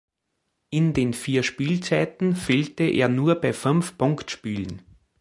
In den vier Spielzeiten fehlte er nur bei fünf Punktspielen.